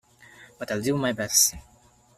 But I’ll do my best.